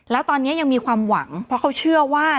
แล้วตอนนี้ยังมีความหวังเพราะเขาเชื่อว่า